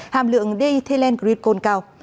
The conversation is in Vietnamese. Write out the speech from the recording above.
hàm lượng d thelengritcon cao